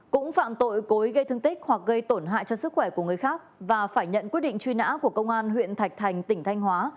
cũng phạm tội cối gây thương tích hoặc gây tổn hại cho sức khỏe của người khác và phải nhận quyết định truy nã của công an huyện thạch thành tỉnh thanh hóa